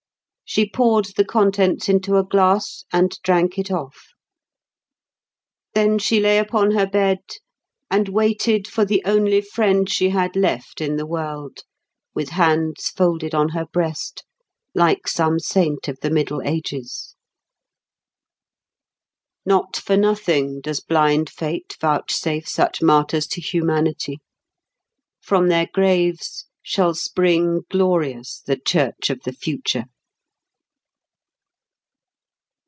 She poured the contents into a glass and drank it off. Then she lay upon her bed and waited for the only friend she had left in the world, with hands folded on her breast, like some saint of the middle ages. Not for nothing does blind fate vouchsafe such martyrs to humanity. From their graves shall spring glorious the church of the future.